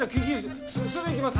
すぐ行きます！